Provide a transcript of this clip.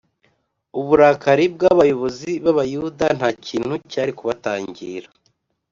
. Uburakari bw’abayobozi b’Abayuda nta kintu cyari kubutangira.